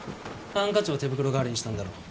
ハンカチを手袋代わりにしたんだろう。